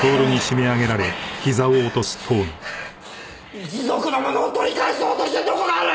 一族のものを取り返そうとしてどこが悪い！